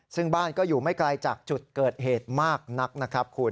ซึ่งบ้านก็อยู่ไม่ไกลจากจุดเกิดเหตุมากนักนะครับคุณ